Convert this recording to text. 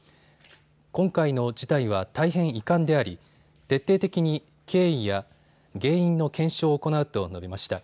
今回の事態は大変遺憾であり徹底的に経緯や原因の検証を行うと述べました。